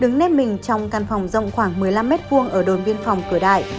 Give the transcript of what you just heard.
đứng nếp mình trong căn phòng rộng khoảng một mươi năm m hai ở đồn biên phòng cửa đại